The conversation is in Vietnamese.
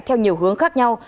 theo nhiều hướng khác nhau